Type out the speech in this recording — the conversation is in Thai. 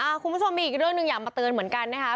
คุณผู้ชมมีอีกเรื่องหนึ่งอยากมาเตือนเหมือนกันนะคะ